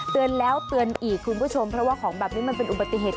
เตือนแล้วเตือนอีกคุณผู้ชมเพราะว่าของแบบนี้มันเป็นอุบัติเหตุ